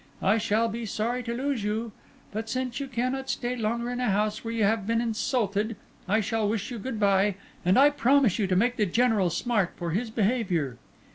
I shall be sorry to lose you; but since you cannot stay longer in a house where you have been insulted, I shall wish you good bye, and I promise you to make the General smart for his behaviour."